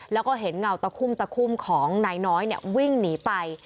แล้วก็เห็นเงาตะคุ่มตะคุ่มของนายน้อยวิ่งหนีไป